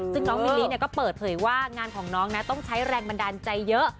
ซึ่งน้องมิลลิก็เปิดเผยว่างานของน้องนะต้องใช้แรงบันดาลใจเยอะ